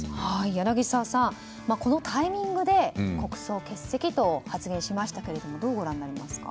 柳澤さん、このタイミングで国葬欠席と発言しましたがどうご覧になりますか。